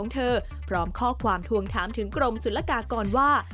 ถามถึงกรมศุลกากรว่า